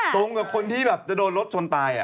ตรงกับคนที่แบบจะโดนรถชนตาย